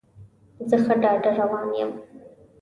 زه ښه ډاډه روان یم.